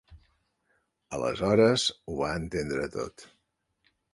Aleshores Ho va entendre tot.